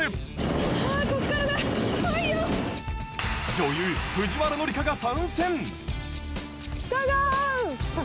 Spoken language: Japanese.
女優藤原紀香が参戦。